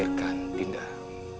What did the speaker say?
jangan lupa untuk berhenti